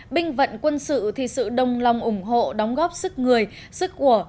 binh vận quân sự thì sự đồng lòng ủng hộ đóng góp sức người sức của